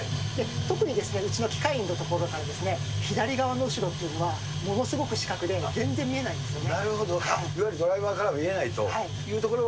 特に特にうちは機械の所から、左側の後ろっていうのは、ものすごく死角で、全然見えないんですよね。